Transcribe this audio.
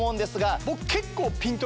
僕結構。